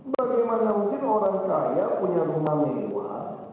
bagaimana mungkin orang kaya punya rumah mewah